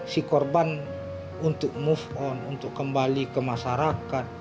si korban untuk move on untuk kembali ke masyarakat